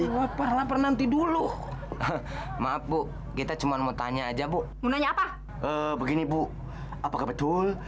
lapar lapar nanti dulu maaf bu kita cuma mau tanya aja bu mau nanya apa begini bu apakah betul